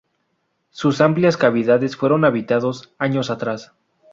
Sus amplias cavidades fueron habitados años atrás.